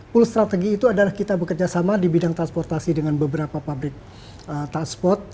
pool strategy itu adalah kita bekerjasama di bidang transportasi dengan beberapa pabrik tak spot